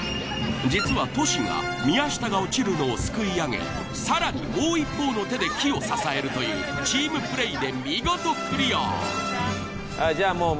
実はトシが宮下が落ちるのをすくい上げ更にもう一方の手で木を支えるというチームプレイで見事クリア。